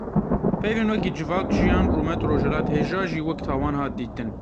Peyvên wekî civak, jiyan, rûmet, rojhilat, hêja jî wek tawan hatin dîtin.